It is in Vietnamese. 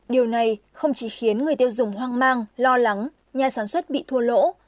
điều này không chỉ khiến người tiêu dùng hoang mang lo lắng nhà sản xuất bị thua lỗ